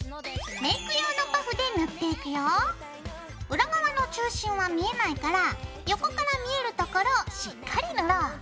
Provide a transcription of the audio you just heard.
裏側の中心は見えないから横から見えるところをしっかり塗ろう。